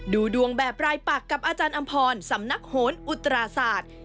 ดูดวงแบบรายปักกับอาจารย์อำพรสำนักโหนอุตราศาสตร์